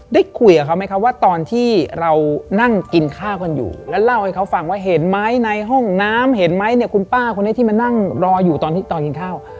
ได้คุยกับเขาไหมครับว่าตอนที่เรานั่งกินข้าวกันอยู่แล้วเล่าให้เขาฟังว่าเห็นไหมในห้องน้ำเห็นไหมเนี่ยคุณป้าคนนี้ที่มานั่งรออยู่ตอนที่ตอนกินข้าว